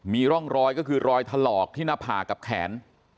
มีร่องรอยก็คือรอยถลอกที่หน้าผากกับแขน